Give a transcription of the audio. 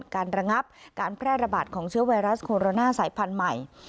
การระงับการแพร่ระบาดของเชื้อไวรัสโคโรนาสายพันธุ์ใหม่